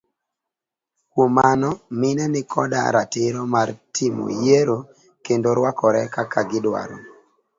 Kuom mano mine nikoda ratiro mar timo yiero kendo ruakore kaka gi dwaro.